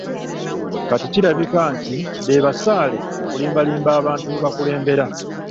Kati kirabika nti be basaale mu kulimbalimba abantu be bakulembera.